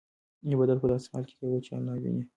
عبادت په داسې حال کې کوه چې الله وینې.